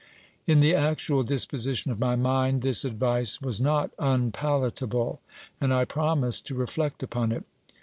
In the actual disposition of my mind, this advice was not unpalatable ; and I promised to reflect upon it.